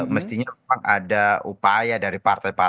mestinya memang ada upaya dari partai partai